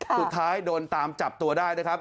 สุดท้ายโดนตามจับตัวได้นะครับ